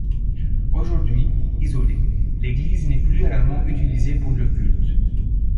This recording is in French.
Aujourd’hui, isolée, l’église n’est plus rarement utilisée pour le culte.